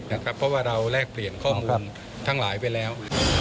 เพราะว่าเราแลกเปลี่ยนข้อมูลทั้งหลายไปแล้ว